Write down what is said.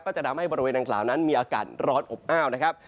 จะทำให้บริเวณดังกล่าวนั้นมีอากาศร้อนอบอ้าวนะครับ